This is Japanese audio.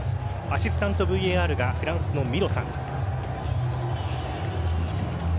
アシスタントＶＡＲがフランスのミロさん。